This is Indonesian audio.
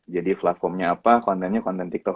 jadi platformnya apa kontennya konten tiktok